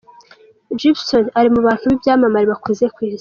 Gibson ari mu bantu b’ibyamamare bakuze ku isi.